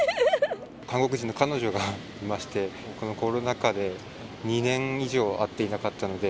韓国人の彼女がいまして、このコロナ禍で２年以上会っていなかったので。